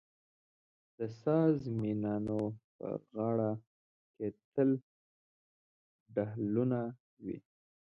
د ساز مېنانو په غاړه کې تل ډهلونه وي.